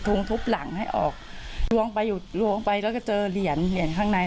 ทุบหลังให้ออกลวงไปหยุดลวงไปแล้วก็เจอเหรียญเหรียญข้างใน